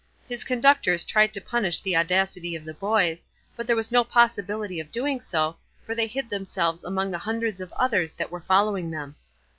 His conductors tried to punish the audacity of the boys, but there was no possibility of doing so, for they hid themselves among the hundreds of others that were following them.